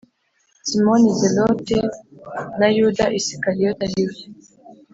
Simoni Zelote na Yuda Isikariyota ari we